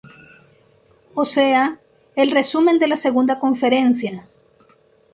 O sea, el resumen de la segunda conferencia.